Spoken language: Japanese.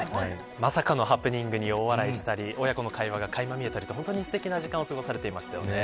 まさかのハプニングに大笑いしたり、親子の会話がかいま見えたりと本当にすてきな時間を過ごされてましたよね。